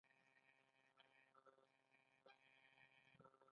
نورستانیان په غرونو کې اوسیږي؟